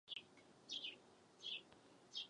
Dobrou zprávou ale je to, že ke zlepšení již došlo.